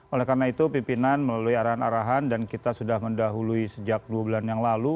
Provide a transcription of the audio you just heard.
oleh karena itu pimpinan melalui arahan arahan dan kita sudah mendahului sejak dua bulan yang lalu